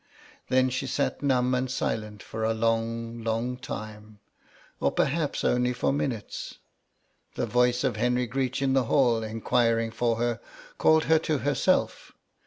Then she sat numb and silent for a long, long time, or perhaps only for minutes. The voice of Henry Greech in the hall, enquiring for her, called her to herself.